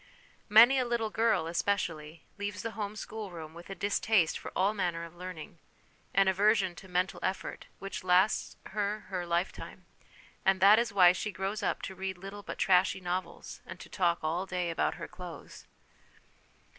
Many a little girl, especially, leaves the home schoolroom with a distaste for all manner of learning, an aversion to mental effort, which lasts her her life time, and that is why she grows up to read little but trashy novels, and to talk all day about her clothes.